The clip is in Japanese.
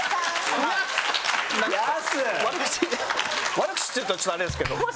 悪口って言うとちょっとあれですけど。